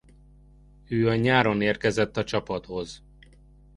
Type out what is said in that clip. Ő a nyáron érkezett a csapathoz.